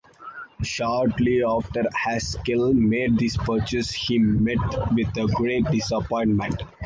Shortly after Haskill made this purchase he met with a great disappointment.